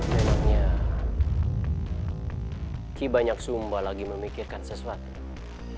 memangnya ki banyak sumba lagi memikirkan sesuatu